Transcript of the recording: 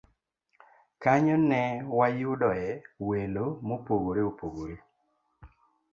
Kanyo ne wayudoe welo mopogore opogore